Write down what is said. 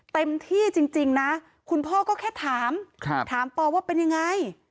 เต็มที่จริงนะคุณพ่อก็แค่ถามถามปอว่าเป็นยังไง